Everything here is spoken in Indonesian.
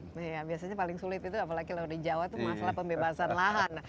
iya biasanya paling sulit itu apalagi kalau di jawa itu masalah pembebasan lahan